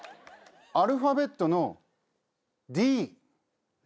アルファベットのＤ。